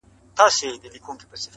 تا يو څو شېبې زما سات دئ راتېر كړى!!